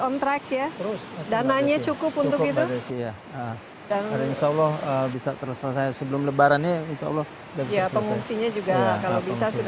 on track ya dananya cukup untuk itu dan bisa tersebut sebelum lebarannya insyaallah ya pengungsinya